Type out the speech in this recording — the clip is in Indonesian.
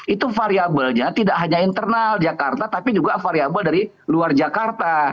itu variabelnya tidak hanya internal jakarta tapi juga variable dari luar jakarta